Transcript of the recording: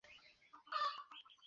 ওদের সবাই মারা গেছে!